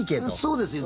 そうですよ。